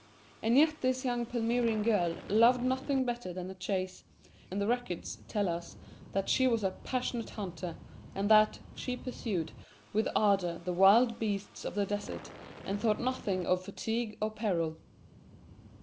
And yet this young Palmyrean girl loved nothing better than the chase, and the records tell us that she was a "passionate hunter," and that she pursued with ardor the wild beasts of the desert and thought nothing of fatigue or peril.